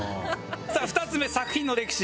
さあ２つ目作品の歴史。